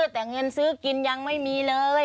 แต่เงินซื้อกินยังไม่มีเลย